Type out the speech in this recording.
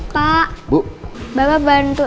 pak bapak bantu